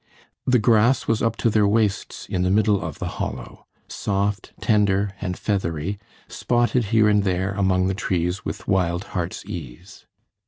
The grass was up to their waists in the middle of the hollow, soft, tender, and feathery, spotted here and there among the trees with wild heart's ease.